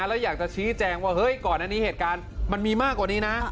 แล้วอยากจะชี้แจงว่าเฮ้ยก่อนอันนี้เหตุการณ์มันมีมากกว่านี้นะ